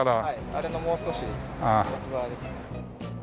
あれのもう少し奥側ですね。